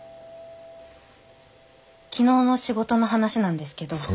昨日の仕事の話なんですけど。